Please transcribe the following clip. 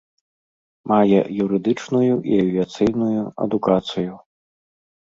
Мае юрыдычную і авіяцыйную адукацыю.